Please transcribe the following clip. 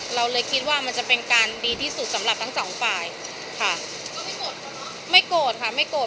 เราเลยคิดว่ามันจะเป็นการดีที่สุดสำหรับทั้งสองฝ่ายค่ะก็ไม่โกรธไม่โกรธค่ะไม่โกรธ